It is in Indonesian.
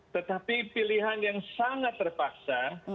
tetapi pilihan yang sangat terpaksa